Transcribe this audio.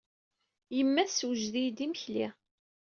Yemma tessewjed-iyi-d imekli.